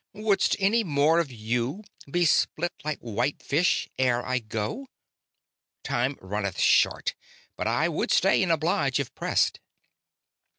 Wouldst any more of you be split like white fish ere I go? Time runneth short, but I would stay and oblige if pressed."